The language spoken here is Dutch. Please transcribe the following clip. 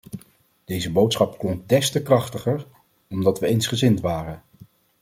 Deze boodschap klonk des te krachtiger, omdat we eensgezind waren.